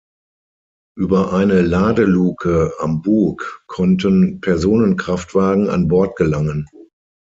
Über eine Ladeluke am Bug konnten Personenkraftwagen an Bord gelangen.